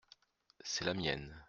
C’est la mienne.